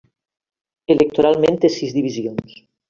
Electoralment té sis divisions.